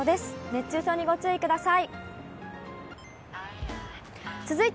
熱中症にご注意ください。